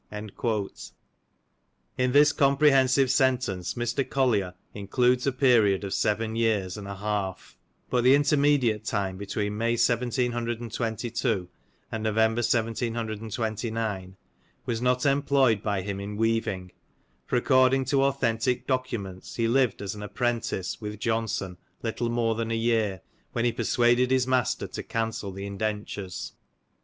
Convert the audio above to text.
In this comprehensive sentence Mr. Collier includes a period of seven years and a half, but the intermediate time between May, 1733, and November, 1729, was not employed by him in weaving, for according to authentic documents he lived as an apprentice with Johnson little more than a year, when he persuaded his master to cancel the indentures.